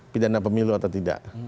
pidana pemilu atau tidak